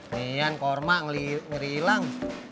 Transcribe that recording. nih yang kurma ngerilang